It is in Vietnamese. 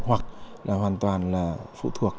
hoặc hoàn toàn phụ thuộc